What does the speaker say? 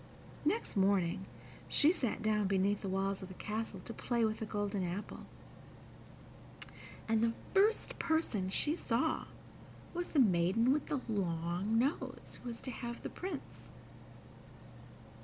Next morning she sat down beneath the walls of the castle to play with the golden apple, and the first person she saw was the maiden with the long nose, who was to have the Prince.